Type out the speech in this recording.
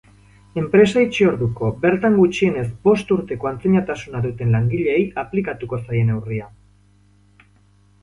Enpresa itxi orduko bertan gutxienez bost urteko antzinatasuna duten langileei aplikatuko zaie neurria.